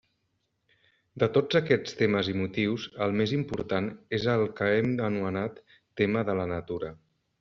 De tots aquests temes i motius, el més important és el que hem anomenat tema de la natura.